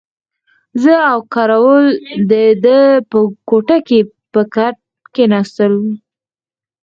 زه او کراول د ده په کوټه کې پر کټ کښېناستو.